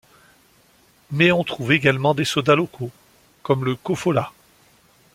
Mais on trouve également des sodas locaux, comme le Kofola.